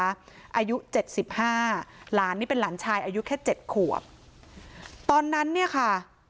อายุเจ็ดสิบห้าหลานนี่เป็นหลานชายอายุแค่เจ็ดขวบตอนนั้นเนี่ยค่ะ